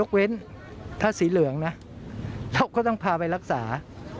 ไม่ค่ะยกเว้นถ้าสีเหลืองนะเราก็ต้องพาไปรักษา